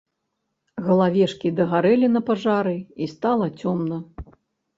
Галавешкі дагарэлі на пажары, і стала цёмна.